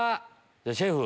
シェフ。